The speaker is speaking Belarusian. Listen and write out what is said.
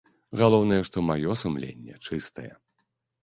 Галоўнае, што маё сумленне чыстае.